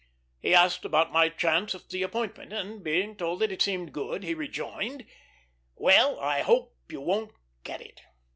He asked about my chance of the appointment; and being told that it seemed good, he rejoined, "Well, I hope you won't get it.